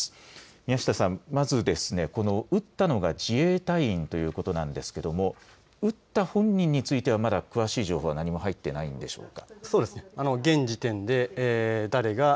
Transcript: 宮下さん、まずこの撃ったのが自衛隊員ということなんですけれども撃った本人についてはまだ詳しい情報は何も入っていないんでしょうか。